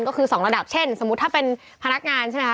ก็คือ๒ระดับเช่นสมมุติถ้าเป็นพนักงานใช่ไหมคะ